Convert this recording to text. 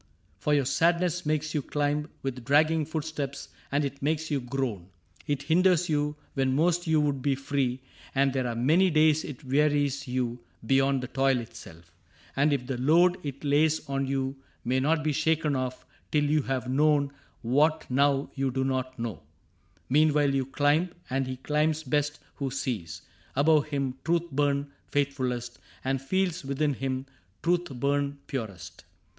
For your sadness makes you climb With dragging footsteps, and it makes you groan ; It hinders you when most you would be free. And there are many days it wearies you Beyond the toil itself. And if the load It lays on you may not be shaken oS Till you have known what now you do not know — Meanwhile you climb ; and he climbs best who sees Above him truth burn faithfulest, and feels Within him truth burn purest.